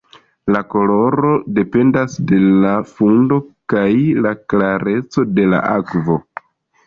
La koloro dependas de la fundo kaj la klareco de la akvo.